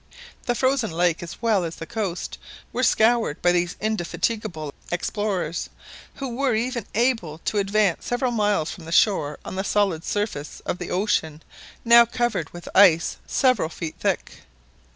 The frozen lake as well as the coast was scoured by these indefatigable explorers, who were even able to advance several miles from the shore on the solid surface of the ocean now covered with ice several feet thick.